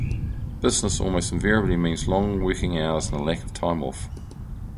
business almost invariably means long working hours and a lack of time off.